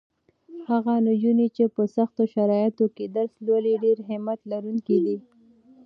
هغه نجونې چې په سختو شرایطو کې درس لولي ډېرې همت لرونکې دي.